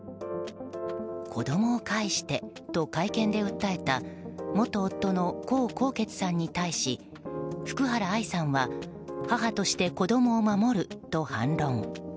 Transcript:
子供を返してと会見で訴えた元夫の江宏傑さんに対し福原愛さんは母として子供を守ると反論。